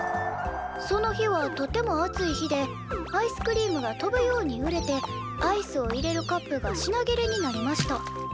「その日はとても暑い日でアイスクリームが飛ぶように売れてアイスを入れるカップが品切れになりました。